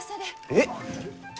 えっ！